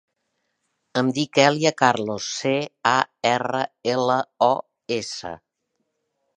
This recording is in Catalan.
Em dic Èlia Carlos: ce, a, erra, ela, o, essa.